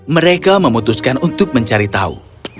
mereka memutuskan untuk mencari tahu